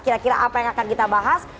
kira kira apa yang akan kita bahas